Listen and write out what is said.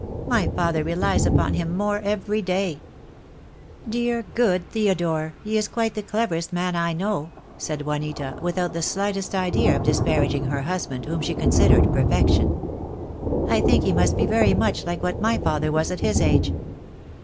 My father relies upon him more every day." THE DAY WILL COME. 63 "Dear, good Theodore, he is quite the cleverest man I know," said Juanita, without the slightest idea of dis paraging her husband, whom she considered perfection. "I think he must be very much like what my father was at his age."